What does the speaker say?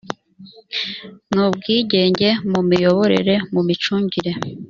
n ubwigenge mu miyoborere mu micungire